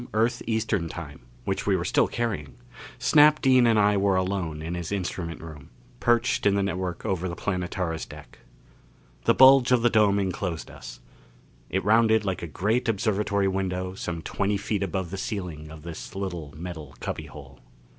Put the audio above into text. Earth Eastern time, which we were still carrying, Snap Dean and I were alone in his instrument room, perched in the network over the Planetara's deck. The bulge of the dome enclosed us; it rounded like a great observatory window some twenty feet above the ceiling of this little metal cubbyhole.